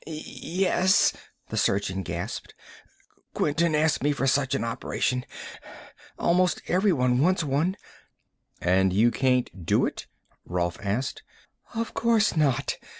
"Yes," the surgeon gasped. "Quinton asked me for such an operation. Almost everyone wants one." "And you can't do it?" Rolf asked. "Of course not.